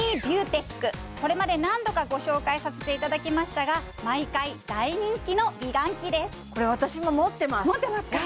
これまで何度かご紹介させていただきましたが毎回大人気の美顔器です持ってますか？